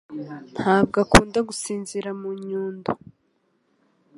ntabwo akunda gusinzira mu nyundo.